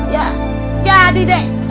ya jadi deh